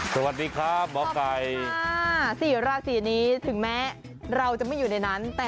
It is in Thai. สวัสดีครับหมอกัยสวัสดีค่ะศีราศีนี้ถึงแม้เราจะไม่อยู่ในนั้นแต่